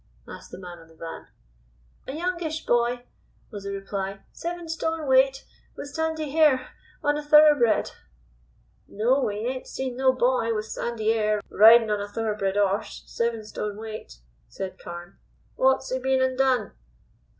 asked the man on the van. "A youngish boy," was the reply, "seven stone weight, with sandy hair, on a thoroughbred." "No; we ain't seen no boy with sandy 'air, ridin' of a thoroughbred 'orse seven stone weight," said Carne. "What's 'e been an' done?"